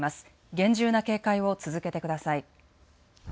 厳重な警戒を続けてください。